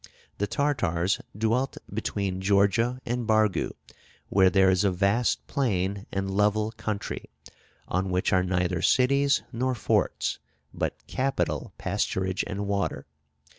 The Tartars dwelt between Georgia and Bargu, where there is a vast plain and level country, on which are neither cities nor forts, but capital pasturage and water.